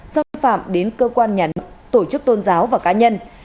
xác định phạm đến cơ quan nhà nữ tổ chức tôn giáo và cá nhân